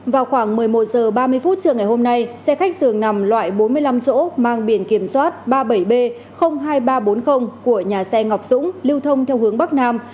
vào khoảng một mươi một h ba mươi phút trưa ngày hôm nay xe khách dường nằm loại bốn mươi năm chỗ mang biển kiểm soát ba mươi bảy b hai nghìn ba trăm bốn mươi của nhà xe ngọc dũng lưu thông theo hướng bắc nam